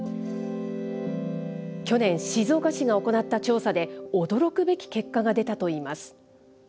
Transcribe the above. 去年、静岡市が行った調査で、驚くべき結果が出たといいます。